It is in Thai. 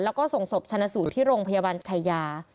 แล้วก็ส่งศพชนะสูตรที่โรงพยาบาลชายา